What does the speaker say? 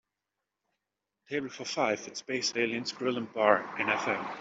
table for five at Space Aliens Grill & Bar in FM